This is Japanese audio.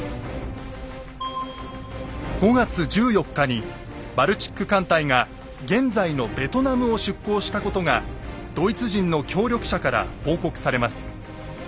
５月１４日にバルチック艦隊が現在のベトナムを出航したことがドイツ人の協力者から報告されます。